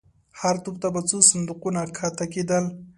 هر توپ ته به څو صندوقونه کښته کېدل.